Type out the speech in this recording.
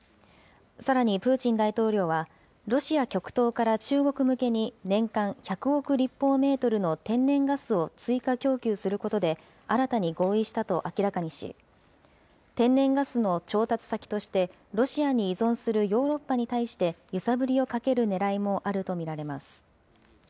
さらにプーチン大統領はロシア極東から中国向けに、年間１００億立方メートルの天然ガスを追加供給することで、新たに合意したと明らかにし、天然ガスの調達先として、ロシアに依存するヨーロッパに対して、揺さぶりをかけるねらいもあると見られます。